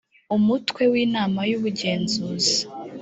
umutwe wa inama y ubugenzuzi